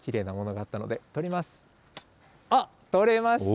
あっ、取れました。